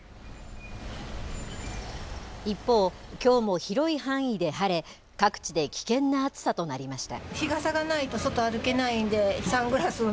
一方きょうも広い範囲で晴れ各地で危険な暑さとなりました。